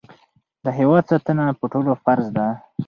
د هېواد ساتنه په ټولو فرض ده.